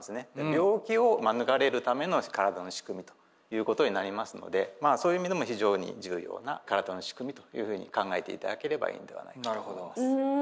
病気を免れるための体の仕組みということになりますのでそういう意味でも非常に重要な体の仕組みというふうに考えていただければいいんではないかと思います。